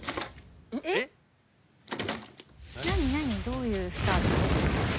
どういうスタート？